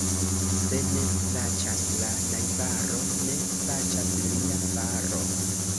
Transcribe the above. Se ne plaĉas la najbaro, ne plaĉas lia faro.